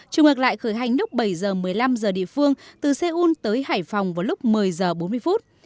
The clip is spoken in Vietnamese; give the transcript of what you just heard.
chiều ngược lại khởi hành lúc bảy giờ một mươi năm giờ địa phương từ seoul tới hải phòng vào lúc một mươi giờ bốn mươi phút